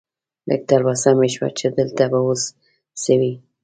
لږه تلوسه مې شوه چې دلته به اوس څه وي.